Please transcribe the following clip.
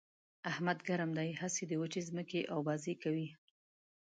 احمد ګرم دی؛ هسې د وچې ځمکې اوبازي کوي.